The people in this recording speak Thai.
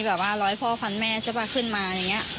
แบบว่า๑๐๐พ่อ๑๐๐๐แม่ขึ้นมา